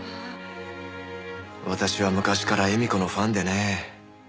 私は昔から絵美子のファンでね。